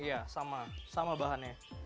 iya sama bahannya